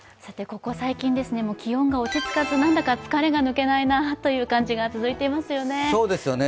ここ最近、気温が落ち着かずなんだか疲れが抜けないなという感じが続いていますよね。